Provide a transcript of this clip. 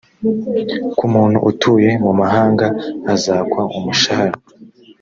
ku muntu utuye mu mahanga azakwa umushara